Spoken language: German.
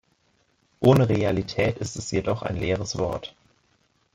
Ohne Realität ist es jedoch ein leeres Wort.